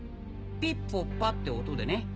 ピッポッパッて音でね。